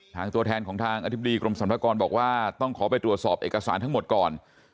ตัวแทนของทางอธิบดีกรมสรรพากรบอกว่าต้องขอไปตรวจสอบเอกสารทั้งหมดก่อน